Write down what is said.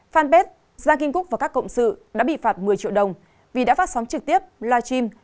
fanpage giang kim cúc và các cộng sự đã bị phạt một mươi triệu đồng vì đã phát sóng trực tiếp live stream